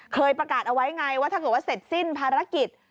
เคยประกาศเอาไว้ไงว่าถ้าเกิดว่าเสร็จสิ้นภารกิจ